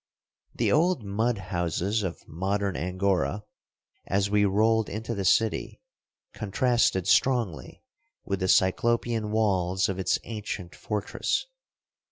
The old mud houses of modern Angora, as we rolled into the city, contrasted strongly with the cyclopean walls of its ancient fortress.